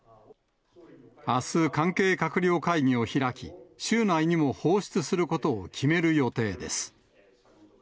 あす、関係閣僚会議を開き、週内にも放出することを決める予定です。